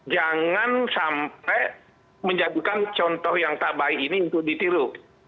jangan sampai menjadikan contoh yang tak baik ini untuk ditiru